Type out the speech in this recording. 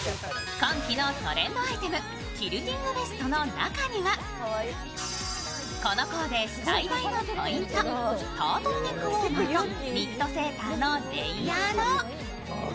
今季のトレンドアイテム、キルティングベストの中にはこのコーデ最大のポイント、タートルネックウォーマーとニットセーターのレイヤード。